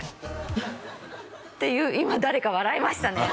フッっていう今誰か笑いましたね